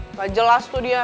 nggak jelas tuh dia